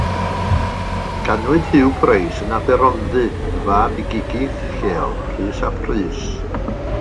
Ganwyd Hugh Price yn Aberhonddu, yn fab i gigydd lleol, Rhys ap Rhys.